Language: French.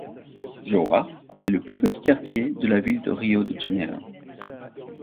Joá est le plus petit quartier de la ville de Rio de Janeiro.